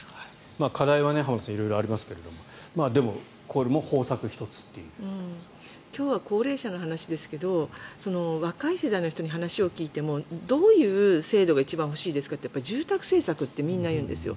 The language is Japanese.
課題は、浜田さん色々ありますけれども今日は高齢者の話ですけど若い世代の人に話を聞いてもどういう制度が一番欲しいですかって住宅政策ってみんな言うんですよ。